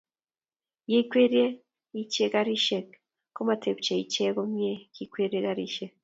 yoikwerie iche karishek komatepche iche komnyei kikwerie karishek